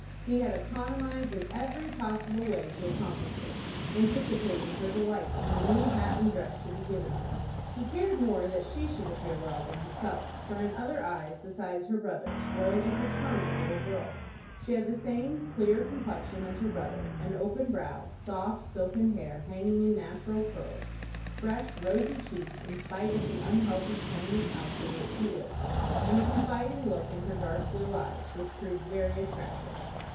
He had economized in every possible way to accomplish it, anticipating her delight when the new hat and dress should be given her. He cared more that she should appear well than himself, for in other eyes, besides her brother's, Rose was a charming little girl. She had the same clear complexion as her brother, an open brow, soft, silken hair hanging in natural curls, fresh, rosy cheeks in spite of the unhealthy tenement house in which she lived, and a confiding look in her dark blue eyes, which proved very attractive.